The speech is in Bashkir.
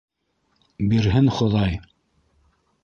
Бирһен Хоҙай!